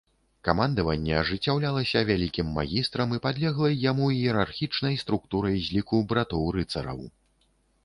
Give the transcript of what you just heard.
Камандаванне ажыццяўлялася вялікім магістрам і падлеглай яму іерархічнай структурай з ліку братоў-рыцараў.